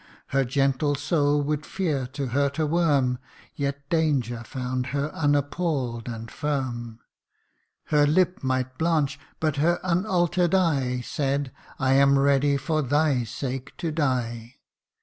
Her gentle soul would fear to hurt a worm ; Yet danger found her unappall'd and firm : Her lip might blanch, but her unalter'd eye Said, I am ready for thy sake to die.